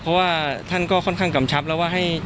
เพราะว่าท่านก็ค่อนข้างกำชับแล้วว่าให้